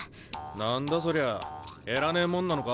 何だそりゃ減らねえもんなのか？